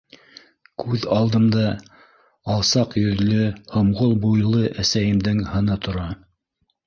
Күҙ алдымда алсаҡ йөҙлө, һомғол буйлы әсәйемдең һыны тора.